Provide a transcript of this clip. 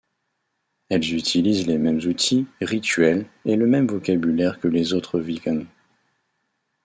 Elles utilisent les mêmes outils, rituels et le même vocabulaire que les autres Wiccans.